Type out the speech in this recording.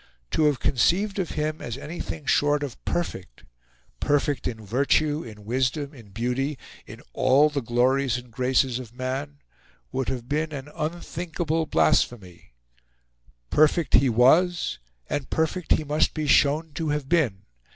To have conceived of him as anything short of perfect perfect in virtue, in wisdom, in beauty, in all the glories and graces of man would have been an unthinkable blasphemy: perfect he was, and perfect he must be shown to have been.